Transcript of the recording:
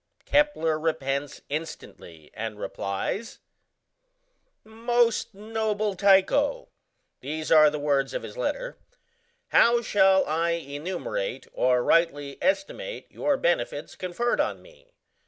Kepler repents instantly, and replies: "MOST NOBLE TYCHO," (these are the words of his letter), "how shall I enumerate or rightly estimate your benefits conferred on me?